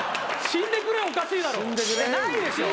「死んでくれ」はおかしいでしょ。